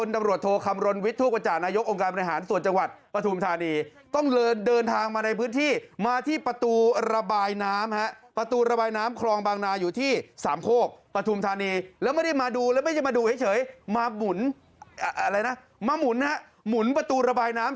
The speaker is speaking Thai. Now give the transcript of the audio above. แล้วไม่ใช่มาดูเฉยมาหมุนอะไรนะมาหมุนนะหมุนประตูระบายน้ำ